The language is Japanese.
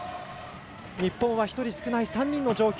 日本は１人少ない３人の状況。